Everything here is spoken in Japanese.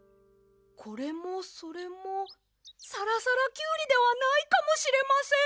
これもそれもさらさらキュウリではないかもしれません！